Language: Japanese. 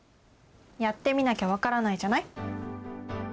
やってみなきゃ分からないじゃない？